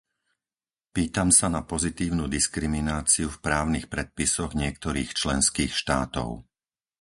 Pýtam sa na pozitívnu diskrimináciu v právnych predpisoch niektorých členských štátov.